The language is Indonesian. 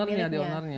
owner nya di owner nya